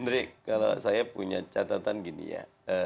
andri kalau saya punya catatan gini ya